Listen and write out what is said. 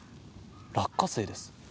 落花生です。